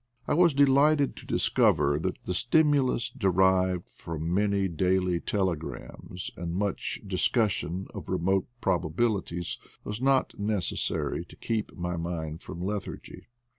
I was 74 IDLE DAYS IN PATAGONIA delighted to discover that the stimulus derived from many daily telegrams and much discussion of remote ^probabilities was not necessary to keep my mind from lethargy.